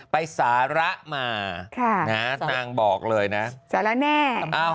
ไปสาระมานางบอกเลยนะสาระแน่